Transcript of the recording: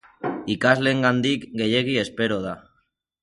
Ikasleengandik gehiegi espero da.